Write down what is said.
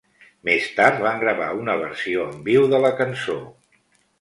Més tard van gravar una versió en viu de la cançó.